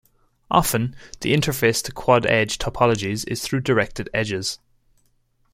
Often, the interface to quad-edge topologies is through directed edges.